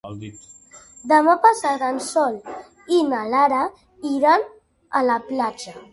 Demà passat en Sol i na Lara iran a la platja.